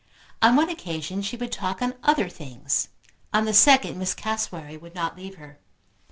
On one occasion she would talk on other things. On the second Miss Cassewary would not leave her.